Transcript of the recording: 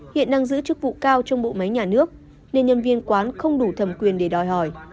hiện đang giữ chức vụ cao trong bộ máy nhà nước nên nhân viên quán không đủ thẩm quyền để đòi hỏi